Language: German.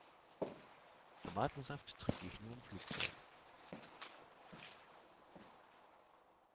Tomatensaft trinke ich nur im Flugzeug.